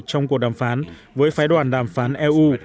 trong cuộc đàm phán với phái đoàn đàm phán eu